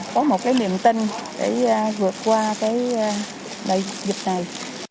có một niềm tin để vượt qua dịch này